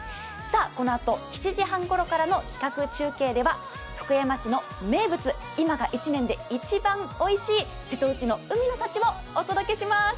このあと７時半ごろからの企画中継では福山市の名物、今が１年で一番おいしい、瀬戸内の海の幸をお届けします。